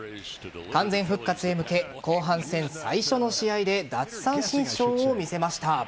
完全復活へ向け後半戦最初の試合で奪三振ショーを見せました。